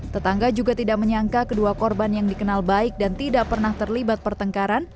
tetangga juga tidak menyangka kedua korban yang dikenal baik dan tidak pernah terlibat pertengkaran